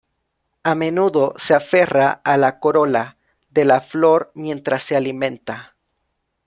A menudo se aferra a la corola de la flor mientras se alimenta.